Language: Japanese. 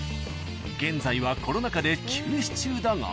［現在はコロナ禍で休止中だが］